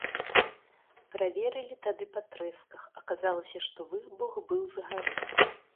Праверылі тады па трэсках, аказалася, што выбух быў з гары.